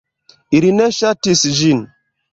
Ili ne ŝatis ĝin.